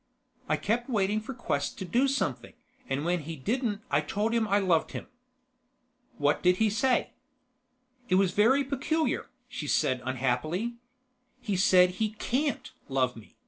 "I kept waiting for Quest to do something, and when he didn't I told him I loved him." "What did he say?" "It's very peculiar," she said unhappily. "He said he can't love me.